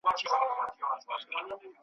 خو په جوغ پوري تړلی وو، بوده وو `